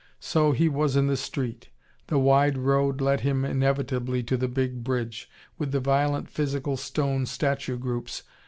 So, he was in the street. The wide road led him inevitably to the big bridge, with the violent, physical stone statue groups.